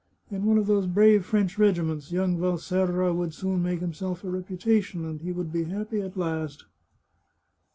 In one of those brave French regiments, young Valserra would soon make himself a reputation, and he would be happy at last."